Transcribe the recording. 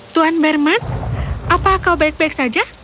tuan berman apa kau baik baik saja